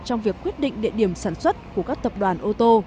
trong việc quyết định địa điểm sản xuất của các tập đoàn ô tô